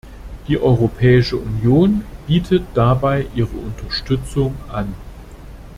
Die Europäische Union bietet dabei ihre Unterstützung an.